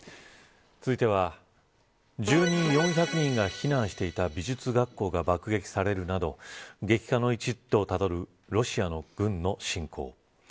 続いては、住民４００人が避難していた美術学校が爆撃されるなど激化の一途をたどるロシアの軍の侵攻。